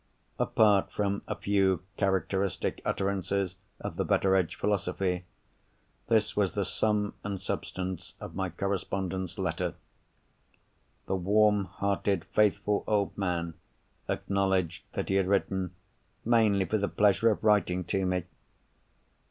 Apart from a few characteristic utterances of the Betteredge philosophy, this was the sum and substance of my correspondent's letter. The warm hearted, faithful old man acknowledged that he had written "mainly for the pleasure of writing to me."